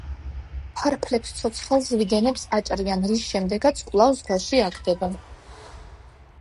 ფარფლებს ცოცხალ ზვიგენებს აჭრიან, რის შემდეგაც კვლავ ზღვაში აგდებენ.